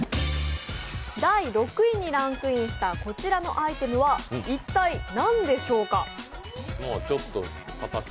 第６位にランクインしたこちらのアイテムは、一体なんでしょうか？